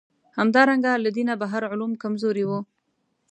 همدارنګه له دینه بهر علوم کمزوري وو.